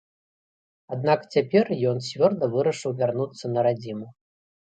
Аднак цяпер ён цвёрда вырашыў вярнуцца на радзіму.